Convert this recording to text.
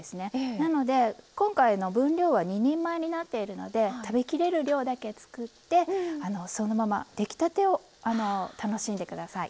なので今回分量は２人前になっているので食べきれる量だけ作ってそのまま出来たてを楽しんで下さい。